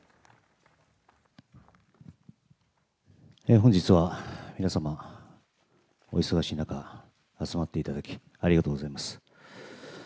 本日は皆様、お忙しい中、集まっていただき、ありがとうございます。